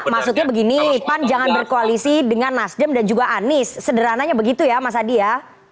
maksudnya begini pan jangan berkoalisi dengan nasdem dan juga anies sederhananya begitu ya mas adi ya